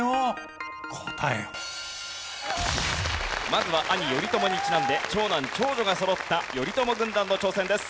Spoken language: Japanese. まずは兄頼朝にちなんで長男・長女がそろった頼朝軍団の挑戦です。